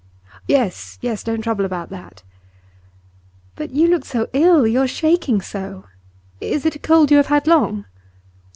'Yes, yes; don't trouble about that.' 'But you look so ill you are shaking so. Is it a cold you have had long?